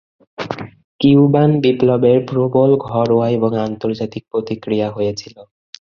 Cuban বিপ্লবের প্রবল ঘরোয়া এবং আন্তর্জাতিক প্রতিক্রিয়া হয়েছিল।